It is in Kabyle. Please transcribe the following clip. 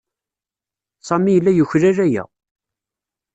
Sami yella yuklal aya.